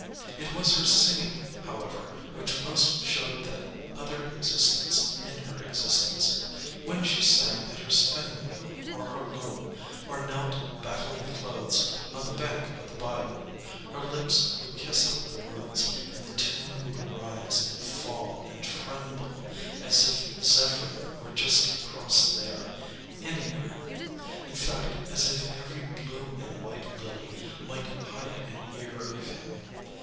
It was her singing, however, which most showed that other existence in her existence. When she sang at her spinning wheel or her loom, or knelt battling clothes on the bank of the bayou, her lips would kiss out the words, and the tune would rise and fall and tremble, as if Zepherin were just across there, anywhere; in fact, as if every blue and white lily might hide an ear of him.